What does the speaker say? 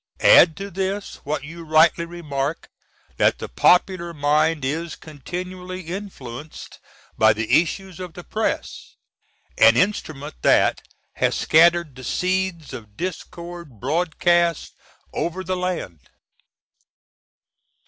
Add to this, what you rightly remark, that the popular mind is continually influenced by the issues of the Press an instrument that has scattered the seeds of discord broadcast over the land.